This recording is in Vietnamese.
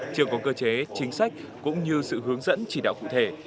chưa có cơ chế chính sách cũng như sự hướng dẫn chỉ đạo cụ thể